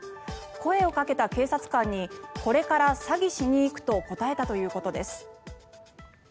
声をかけた警察官にこれから詐欺しに行くと答えたということです。